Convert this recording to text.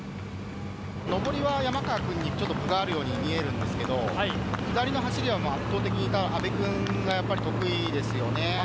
上りは山川くんに分があるように見えるんですけど、下りの走りは圧倒的に阿部君が得意ですよね。